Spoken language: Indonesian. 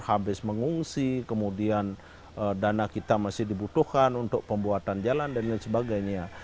habis mengungsi kemudian dana kita masih dibutuhkan untuk pembuatan jalan dan lain sebagainya